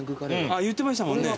言ってましたもんね。